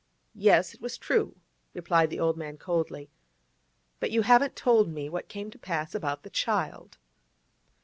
'Yes, it was true,' replied the old man coldly. 'But you haven't told me what came to pass about the child.